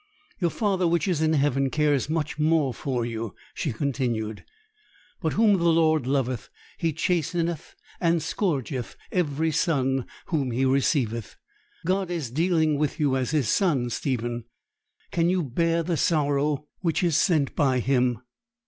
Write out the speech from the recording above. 'Your Father which is in heaven cares much more for you,' she continued; 'but "whom the Lord loveth He chasteneth, and scourgeth every son whom He receiveth." God is dealing with you as His son, Stephen. Can you bear the sorrow which is sent by Him?'